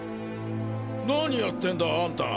何やってんだあんた？